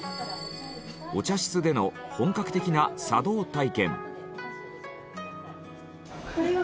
お茶室での本格的な茶道体験。